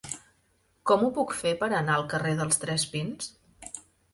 Com ho puc fer per anar al carrer dels Tres Pins?